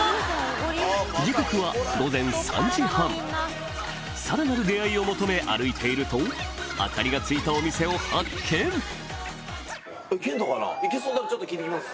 時刻はさらなる出会いを求め歩いていると明かりがついたお店を発見ちょっと聞いてきます。